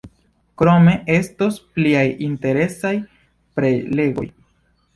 Krome estos pliaj interesaj prelegoj.